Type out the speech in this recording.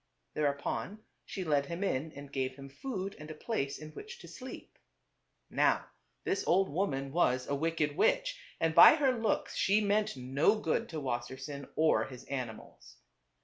Thereupon she led him in and gave him food and a place in which to sleep. Now this old woman was a wicked witch and by her looks she meant no good to Wassersein or his animals.